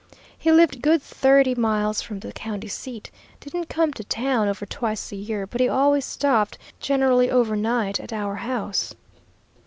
He lived good thirty miles from the county seat. Didn't come to town over twice a year, but he always stopped, generally over night, at our house.